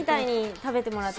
食べてもらって。